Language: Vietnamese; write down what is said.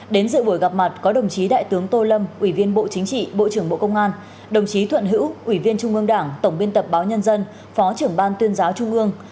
đến dự buổi gặp mặt có đồng chí đại tướng tô lâm ủy viên bộ chính trị bộ trưởng bộ công an đồng chí thuận hữu ủy viên trung ương đảng tổng biên tập báo nhân dân phó trưởng ban tuyên giáo trung ương